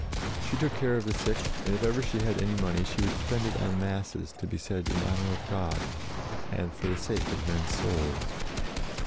She took care of the sick, and, if ever she had any money, she would spend it on Masses to be said in honour of God, and for the sake of men's souls.